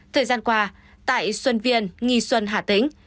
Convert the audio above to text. thời gian qua tại xuân viên nghi xuân hà tĩnh